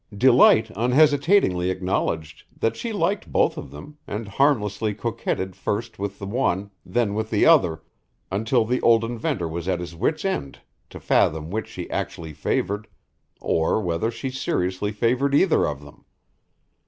Delight unhesitatingly acknowledged that she liked both of them and harmlessly coquetted first with the one, then with the other, until the old inventor was at his wit's end to fathom which she actually favored or whether she seriously favored either of them.